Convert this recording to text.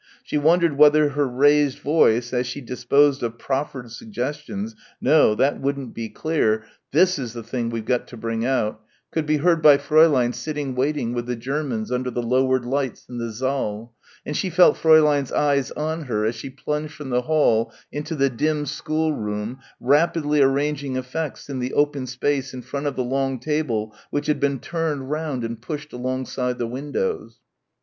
She wondered whether her raised voice, as she disposed of proffered suggestions "no, that wouldn't be clear, this is the thing we've got to bring out" could be heard by Fräulein sitting waiting with the Germans under the lowered lights in the saal, and she felt Fräulein's eye on her as she plunged from the hall into the dim schoolroom rapidly arranging effects in the open space in front of the long table which had been turned round and pushed alongside the windows.